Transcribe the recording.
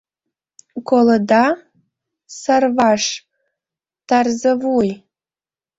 Колыда, Сарваш, Тарзывуй!